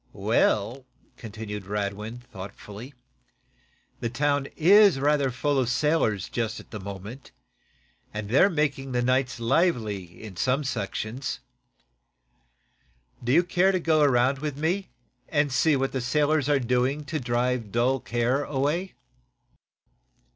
"Well," continued Radwin, thoughtfully, "the town is rather full of sailors, just at present, and they're making the nights lively in some sections. Do you care to go around with me, and see what the sailors are doing to drive dull care away?"